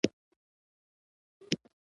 ازادي د جهالتونو لخوا ځنځیر شي.